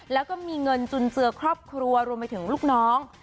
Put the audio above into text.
แล้วก็มีเงินจุนเจือครอบครัวรวมไปถึงลูกน้อง